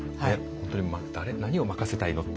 本当に「何を任せたいの？」っていう